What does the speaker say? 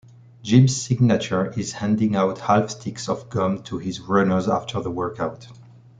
Jim's signature is handing out half-sticks of gum to his runners after the workout.